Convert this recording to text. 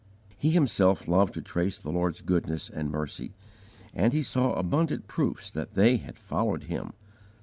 He himself loved to trace the Lord's goodness and mercy, and he saw abundant proofs that they had followed him.